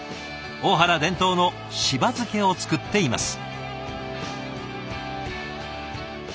大原伝統のしば漬けを作っています。